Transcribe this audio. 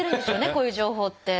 こういう情報って。